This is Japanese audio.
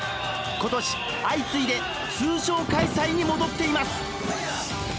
今年相次いで通常開催に戻っています。